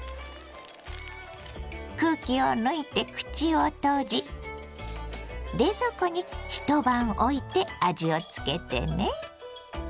空気を抜いて口を閉じ冷蔵庫に一晩おいて味をつけてね。